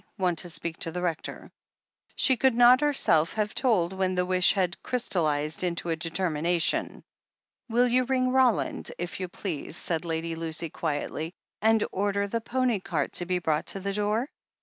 want to speak to the Rector." She could not herself have told when the wish had crystallized into a determination. "Will you ring, Roland, if you please," said Lady Lucy quietly, "and order the pony cart to be brought to the door ?"